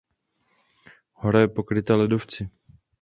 Hora je pokrytá ledovci.